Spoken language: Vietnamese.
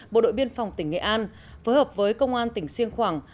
bộ đội biên phòng tỉnh nghệ an phối hợp với công an tỉnh siêng khoảng